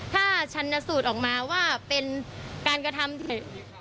ถ้าชันสูตรออกมาว่าเป็นการกระทำผิด